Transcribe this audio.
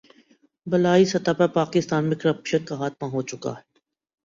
بالائی سطح پر پاکستان میں کرپشن کا خاتمہ ہو چکا ہے